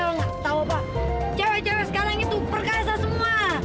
nggak tahu pak cewek cewek sekarang itu perkasa semua